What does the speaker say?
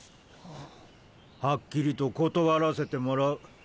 「はっきりと断らせてもらう。